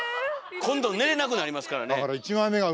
今度寝れなくなりますからね！